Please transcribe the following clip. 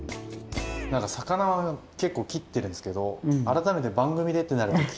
なんか魚は結構切ってるんですけど改めて番組でってなると緊張しますね。